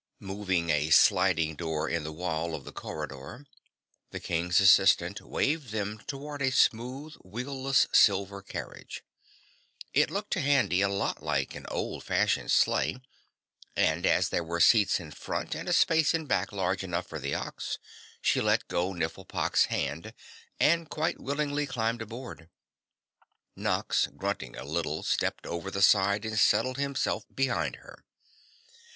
Moving a sliding door in the wall of the corridor, the King's assistant waved them toward a smooth wheelless silver carriage. It looked to Handy a lot like an old fashioned sleigh, and as there were seats in front and a space in back large enough for the Ox, she let go Nifflepok's hand and quite willingly climbed aboard. Nox, grunting a little, stepped over the side and settled himself behind her.